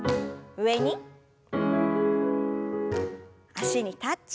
脚にタッチ。